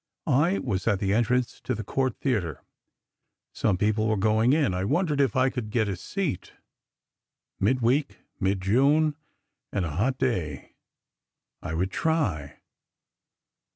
I was at the entrance to the Cort Theatre. Some people were going in. I wondered if I could get a seat. Midweek, mid June, and a hot day—I would try.